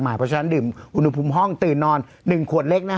เพราะฉะนั้นดื่มอุณหภูมิห้องตื่นนอน๑ขวดเล็ก